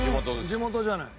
地元じゃない。